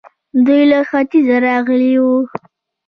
دوی له ختيځه راغلي وو